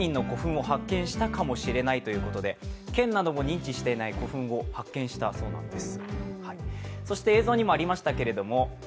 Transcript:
県なども認知していない古墳を発見したそうです。